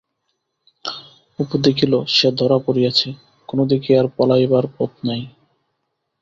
অপু দেখিল সে ধরা পড়িয়াছে, কোনো দিকেই আর পলাইবার পথ নাই।